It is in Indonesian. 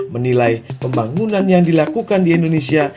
menilai pembangunan yang dilakukan di indonesia